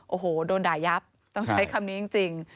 โอ้โหโดนด่ายับต้องใช้คำนี้จริง